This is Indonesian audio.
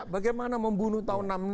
bagaimana membunuh tahun enam puluh enam